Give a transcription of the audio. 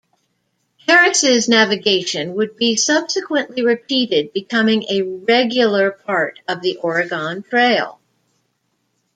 Harris' navigation would be subsequently repeated, becoming a regular part of the Oregon Trail.